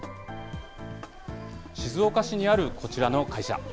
静岡市にあるこちらの会社。